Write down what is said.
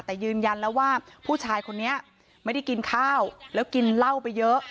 แต่ยืนยันแล้วว่าผู้ชายคนนี้ไม่ได้กินข้าวแล้วกินเหล้าไปเยอะ